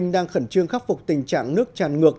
đang khẩn trương khắc phục tình trạng nước tràn ngược